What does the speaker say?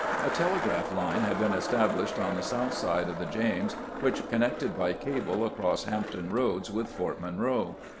A telegraph line had been established on the south side of the James which connected by cable across Hampton Roads with Fort Monroe.